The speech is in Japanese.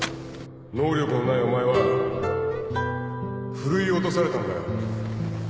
能力のないお前はふるい落とされたんだよ